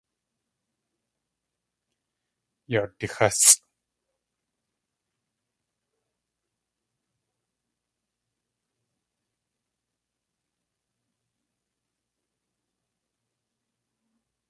Yawdixásʼ.